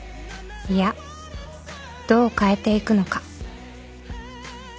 ［いやどう変えていくのか］